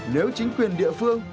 nếu chính quyền địa phương